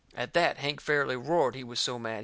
At that Hank fairly roared, he was so mad.